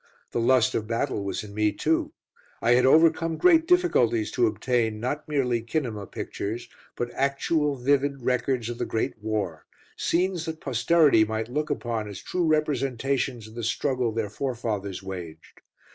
The lust of battle was in me too. I had overcome great difficulties to obtain not merely kinema pictures, but actual vivid records of the Great War, scenes that posterity might look upon as true representations of the struggle their forefathers waged.